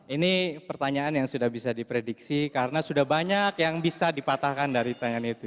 ini pertanyaan yang sudah bisa diprediksi karena sudah banyak yang bisa dipatahkan dari pertanyaan itu